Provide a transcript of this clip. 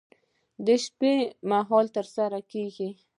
د شپې مهال ترسره کېږي.